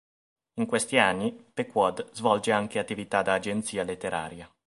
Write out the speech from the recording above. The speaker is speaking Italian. In questi anni, peQuod svolge anche attività da agenzia letteraria.